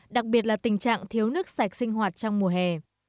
đặc biệt là tình trạng thiếu nước sạch sinh hoạt trong mùa hè